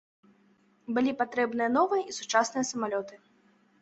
Былі патрэбныя новыя і сучасныя самалёты.